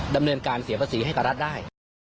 ดำเนินการเสียภาษีให้กับรัฐได้